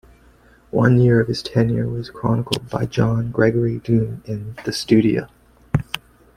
One year of his tenure was chronicled by John Gregory Dunne in "The Studio".